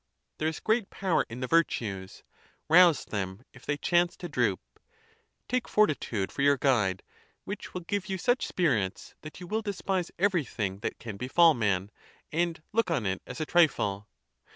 There is great power in the virtues; rouse them, if they chance to droop. Take fortitude for your guide, which will give you such spirits that you will despise everything that can befall man, and look on it as a trifle.